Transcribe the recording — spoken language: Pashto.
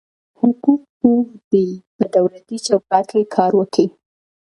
حقوق پوه دي په دولتي چوکاټ کي کار وکي.